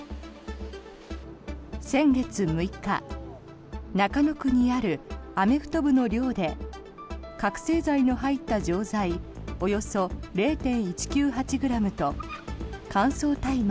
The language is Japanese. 先月６日、中野区にあるアメフト部の寮で覚醒剤の入った錠剤およそ０．１９８ｇと乾燥大麻